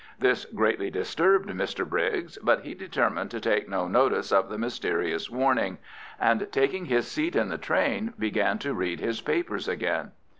This greatly disturbed Mr Briggs, but he determined to take no notice of the mysterious warning, and, taking his seat in the train, began to read his papers again.